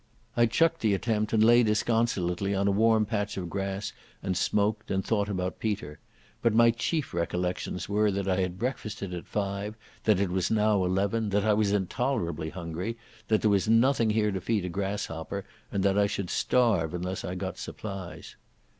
I chucked the attempt, and lay disconsolately on a warm patch of grass and smoked and thought about Peter. But my chief reflections were that I had breakfasted at five, that it was now eleven, that I was intolerably hungry, that there was nothing here to feed a grasshopper, and that I should starve unless I got supplies.